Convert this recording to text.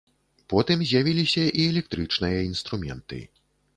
Потым з'явіліся і электрычныя інструменты.